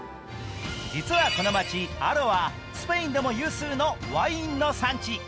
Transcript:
実はこの街、アロはスペインでも有数のワインの産地。